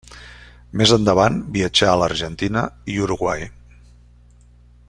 Més endavant viatjà a l'Argentina i Uruguai.